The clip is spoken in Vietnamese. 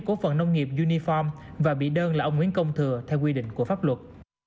cố phần nông nghiệp uniform và bị đơn là ông nguyễn công thừa theo quy định của pháp luật